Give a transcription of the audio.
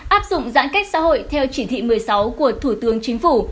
áp dụng giãn cách xã hội theo chỉ thị một mươi sáu của thủ tướng chính phủ